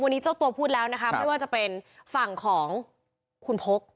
วันนี้เจ้าตัวพูดแล้วนะคะไม่ว่าจะเป็นฝั่งของคุณพก